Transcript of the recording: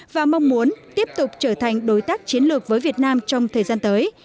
và mong muốn tiếp tục trở thành đối tác chiến lược với việt nam trong thời gian tới